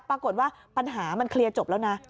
ปรากฏว่าปัญหามันเคลียร์จบแล้วนะ